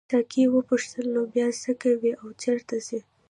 ساقي وپوښتل نو بیا څه کوې او چیرته ځې.